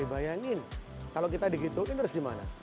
bayangin kalau kita di gitu ini harus di mana